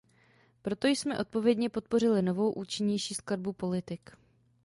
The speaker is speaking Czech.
Proto jsme odpovědně podpořili novou, účinnější skladbu politik.